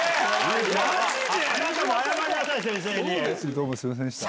どうもすいませんでした。